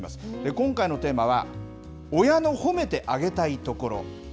今回のテーマは、親の褒めてあげたいところ。